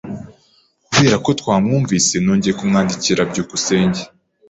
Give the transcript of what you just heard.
Kubera ko ntamwumvise, nongeye kumwandikira. byukusenge